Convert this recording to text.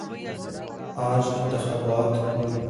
آج انتخابات ہوں۔